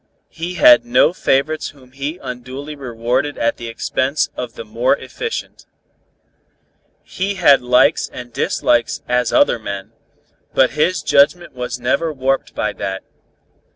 He had no favorites whom he unduly rewarded at the expense of the more efficient. He had likes and dislikes as other men, but his judgment was never warped by that.